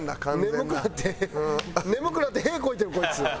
眠くなって眠くなって屁こいてるこいつ。